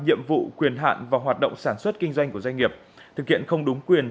nhiệm vụ quyền hạn và hoạt động sản xuất kinh doanh của doanh nghiệp thực hiện không đúng quyền